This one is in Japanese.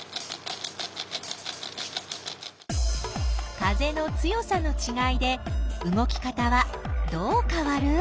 風の強さのちがいで動き方はどうかわる？